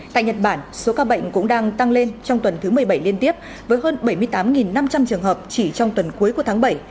tại nhật bản số ca bệnh cũng đang tăng lên trong tuần thứ một mươi bảy liên tiếp với hơn bảy mươi tám năm trăm linh trường hợp chỉ trong tuần cuối của tháng bảy